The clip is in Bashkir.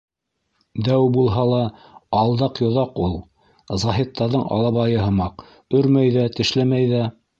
- Дәү булһа ла, алдаҡ йоҙаҡ ул. Заһиттарҙың алабайы һымаҡ, өрмәй ҙә, тешләмәй ҙә.